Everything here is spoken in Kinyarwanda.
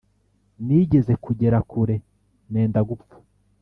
Nigeze kugera kure, nenda gupfa,